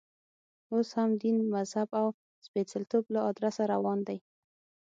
اوس هم دین، مذهب او سپېڅلتوب له ادرسه روان دی.